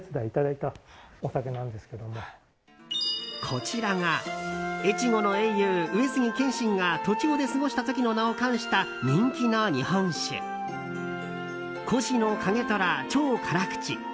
こちらが越後の英雄・上杉謙信が栃尾で過ごした時の名を冠した人気の日本酒越乃景虎超辛口。